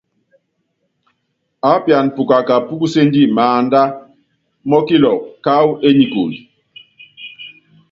Aápiana pukaka púkuséndi maánda mɔkilɔkɔ káwú énikúlu.